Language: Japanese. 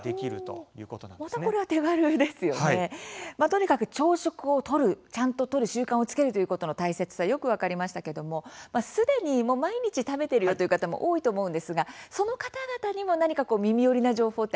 とにかく朝食をとる、ちゃんととる習慣をつけるということの大切さよく分かりましたけどもすでに毎日食べてるよという方も多いと思うんですがその方々にも何かみみよりな情報ってありますか？